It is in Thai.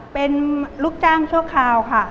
เป็นลูกจ้างชั่วคราวค่ะ